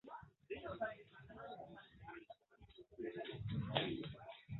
La blanka kampo, kiuj igas ĝin Esperanto-flago, estas pentrita per blanka farbo.